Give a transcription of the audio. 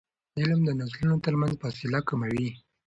علم د نسلونو ترمنځ فاصله کموي.